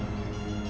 pergi ke sana